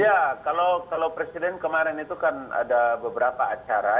ya kalau presiden kemarin itu kan ada beberapa acara